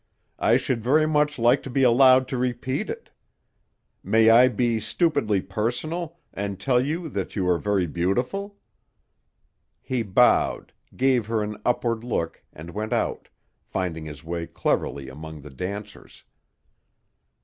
I should very much like to be allowed to repeat it. May I be stupidly personal and tell you that you are very beautiful?" He bowed, gave her an upward look and went out, finding his way cleverly among the dancers.